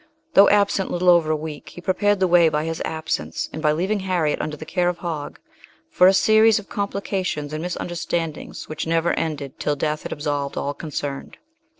Though absent little over a week, he prepared the way by his absence, and by leaving Harriet under the care of Hogg, for a series of complications and misunderstandings which never ended till death had absolved all concerned.